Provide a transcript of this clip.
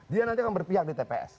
dia nanti akan berpihak di tps